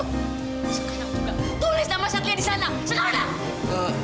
sekarang juga tulis nama satlia di sana sekarang